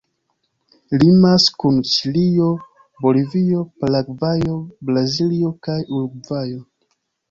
Limas kun Ĉilio, Bolivio, Paragvajo, Brazilo kaj Urugvajo.